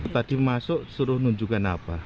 tadi masuk suruh nunjukkan apa